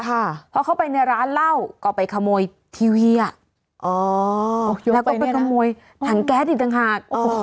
เพราะเข้าไปในร้านเหล้าก็ไปขโมยทีวีอ่ะอ๋อแล้วก็ไปขโมยถังแก๊สอีกต่างหาก